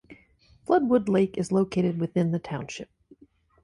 Floodwood Lake is located within the township.